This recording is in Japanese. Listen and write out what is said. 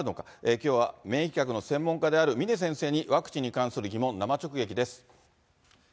きょうは免疫学の専門家である峰先生にワクチンに関する疑問、生直撃です。